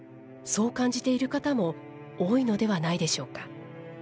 そう感じている方も多いのではないでしょうか。